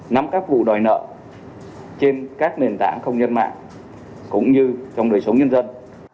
nắm các vụ đòi nợ trên các nền tảng không gian mạng cũng như trong đời sống nhân dân